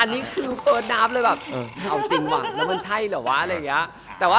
อันนี้คือเพิร์ชนาซเลยว่าเอาจริงหวะแล้วมันใช่หรือวะ